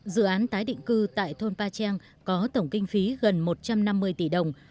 dự án tái định cư tại thôn pa trang có tổng kinh phí gần một trăm năm mươi tỷ đồng